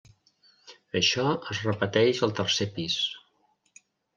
Això es repeteix al tercer pis.